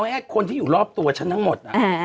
ให้คนที่อยู่รอบตัวฉันทั้งหมด